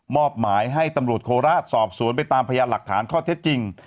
อบหมายให้ตำรวจโคราชสอบสวนไปตามพยานหลักฐานข้อเท็จจริง